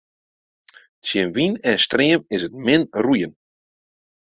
Tsjin wyn en stream is 't min roeien.